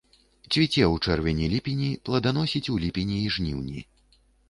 Цвіце ў чэрвені-ліпені, плоданасіць у ліпені і жніўні.